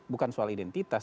bukan soal identitas